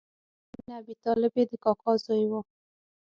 جعفر بن ابي طالب یې د کاکا زوی و.